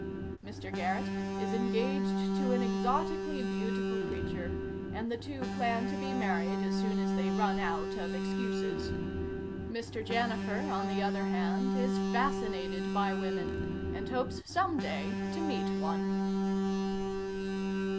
Mr. Garrett is engaged to an exotically beautiful creature, and the two plan to be married as soon as they run out of excuses. Mr. Janifer, on the other hand, is fascinated by women, and hopes some day to meet one.